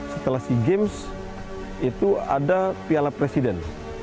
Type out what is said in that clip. setelah sea games itu ada piala presiden